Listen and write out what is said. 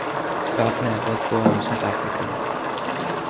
Wagner was born in South Africa.